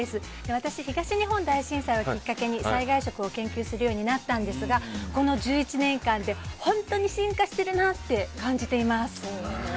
私、東日本大震災をきっかけに災害食を研究するようになったんですがこの１１年間で、本当に進化しているなって感じています。